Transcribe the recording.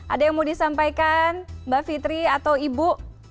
ada yang mau disampaikan mbak fitri atau ibu